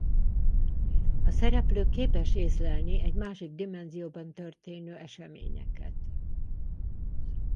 A szereplő képes észlelni egy másik dimenzióban történő eseményeket.